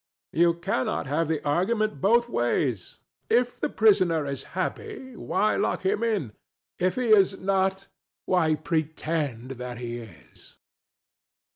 You cannot have the argument both ways. If the prisoner is happy, why lock him in? If he is not, why pretend that he is?